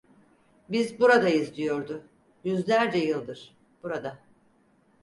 Biz buradayız, diyordu… Yüzlerce yıldır, burada…